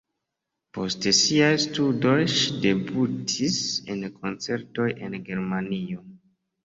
Post siaj studoj ŝi debutis en koncertoj en Germanio.